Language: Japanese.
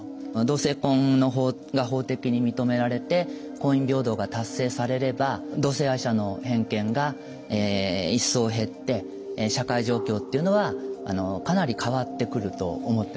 同性婚が法的に認められて婚姻平等が達成されれば同性愛者の偏見が一層減って社会状況っていうのはかなり変わってくると思ってます。